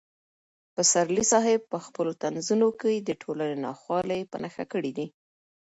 پسرلي صاحب په خپلو طنزونو کې د ټولنې ناخوالې په نښه کړې دي.